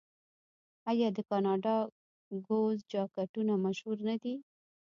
آیا د کاناډا ګوز جاکټونه مشهور نه دي؟